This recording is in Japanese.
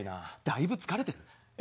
だいぶ疲れてる？